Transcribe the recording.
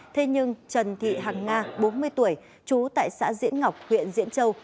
thế nhưng trần thị hàng nga bốn mươi tuổi chú tại xã diễn ngọc huyện diễn châu